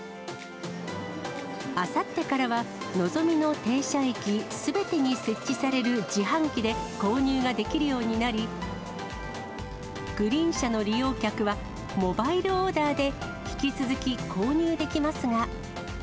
あさってからは、のぞみの停車駅すべてに設置される自販機で購入ができるようになり、グリーン車の利用客は、モバイルオーダーで引き続き購入できますが。